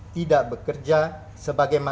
tidak bekerja sebagainya